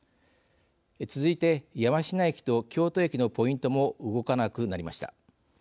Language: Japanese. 続いて山科駅と京都駅のポイントも動かなくなりました。